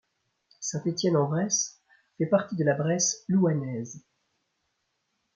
Saint-Étienne-en-Bresse fait partie de la Bresse louhannaise.